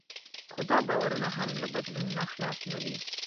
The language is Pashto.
خو دا باورونه هم له بدلون نه خلاص نه دي.